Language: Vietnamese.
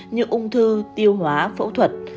như ung thư tiêu hóa phẫu thuật